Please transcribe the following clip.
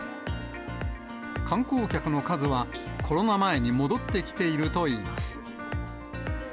観光客の数はコロナ前に戻ってきているといいます。